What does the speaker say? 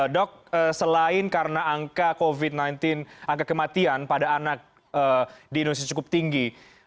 dok selain karena angka covid sembilan belas angka kematian pada anak di indonesia cukup tinggi